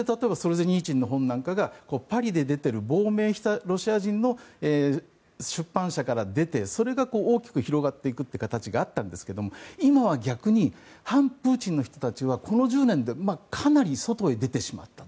ある本なんかではパリで出ている亡命したロシア人の出版社から出てそれが大きく広がっていくという形があったんですけど今は逆に反プーチンの人たちはこの１０年でかなり外に出てしまった。